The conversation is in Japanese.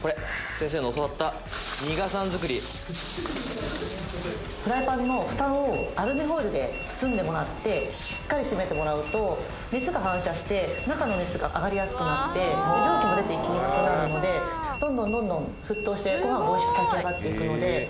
「先生に教わった逃がさん作り」「フライパンの蓋をアルミホイルで包んでもらってしっかり閉めてもらうと熱が反射して中の熱が上がりやすくなって蒸気も出ていきにくくなるのでどんどんどんどん沸騰してご飯がおいしく炊き上がっていくので」